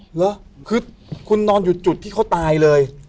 เหรอคือคุณนอนอยู่จุดที่เขาตายเลย